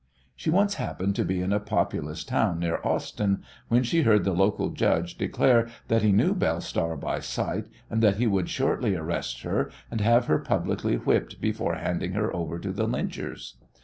She once happened to be in a populous town near Austin, when she heard the local judge declare that he knew Belle Star by sight and that he would shortly arrest her, and have her publicly whipped before handing her over to the Lynchers.